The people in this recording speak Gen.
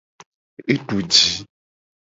E du ji.